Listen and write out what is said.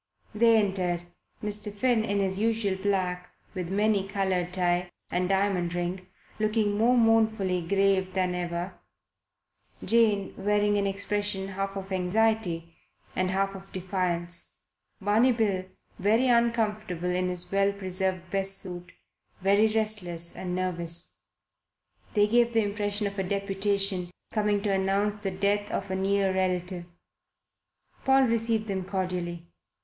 They entered: Mr. Finn in his usual black with many coloured tie and diamond ring, looking more mournfully grave than ever; Jane wearing an expression half of anxiety and half of defiance; Barney Bill, very uncomfortable in his well preserved best suit, very restless and nervous. They gave the impression of a deputation coming to announce the death of a near relative. Paul received them cordially.